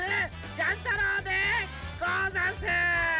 ジャン太郎でござんす。